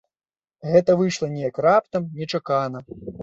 Гэта выйшла неяк раптам, нечакана.